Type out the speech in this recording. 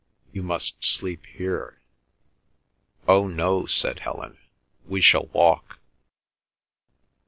"You must sleep here." "Oh, no," said Helen; "we shall walk."